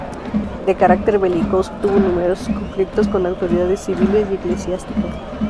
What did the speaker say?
De carácter belicoso, tuvo numerosos conflictos con autoridades civiles y eclesiásticas.